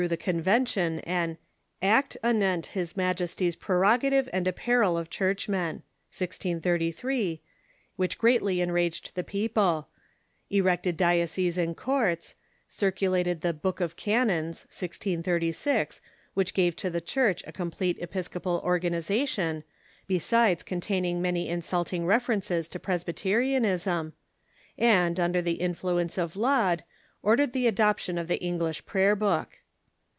^he convention an " Act anent Ilis Majest^^'s Pre rogative and Apparel of Churchmen " (1633), which greatly enraged the people; erected diocesan courts; circulated the "Book of Canons" (1636), which gave to the Church a complete episcopal organization, besides containing many in sulting references to Presbyterianism, and, under the influence of Laud, ordered the adoption of the English Prayer book.